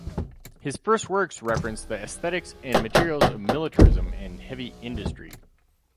His first works reference the aesthetics and materials of militarism and heavy industry.